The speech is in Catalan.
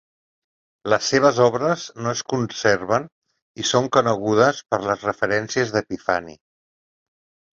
Les seves obres no es conserven i són conegudes per les referències d'Epifani.